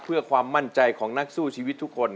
เพื่อความมั่นใจของนักสู้ชีวิตทุกคน